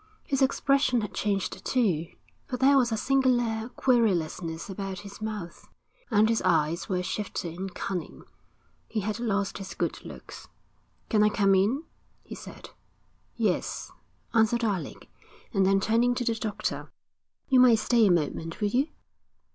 His expression had changed too, for there was a singular querulousness about his mouth, and his eyes were shifty and cunning. He had lost his good looks. 'Can I come in?' he said. 'Yes,' answered Alec, and then turning to the doctor: 'You might stay a moment, will you?'